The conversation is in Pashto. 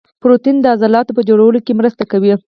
پروټین د عضلاتو په جوړولو کې مرسته کوي